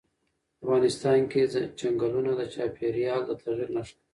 افغانستان کې چنګلونه د چاپېریال د تغیر نښه ده.